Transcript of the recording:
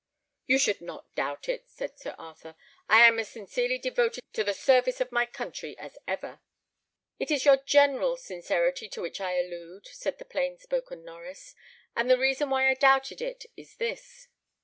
"You should not doubt it," said Sir Arthur; "I am as sincerely devoted to the service of my country as ever." "It is your general sincerity to which I allude," said the plain spoken Norries; "and the reason why I doubted it is this.